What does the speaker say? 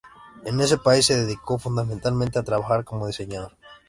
En ese país se dedicó fundamentalmente a trabajar como diseñador.